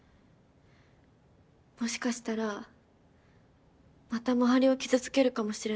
もしかしたらまた周りを傷つけるかもしれない。